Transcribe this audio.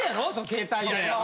携帯で。